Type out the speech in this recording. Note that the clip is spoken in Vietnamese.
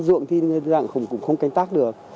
dụng thì cũng không canh tác được